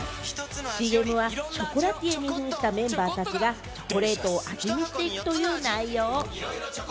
ＣＭはショコラティエに扮したメンバーたちがチョコレートを味見していくという内容。